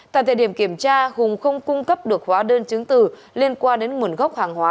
tại thời điểm kiểm tra hùng không cung cấp được hóa đơn chứng từ liên quan đến nguồn gốc hàng hóa